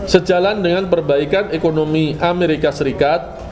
sejalan dengan perbaikan ekonomi amerika serikat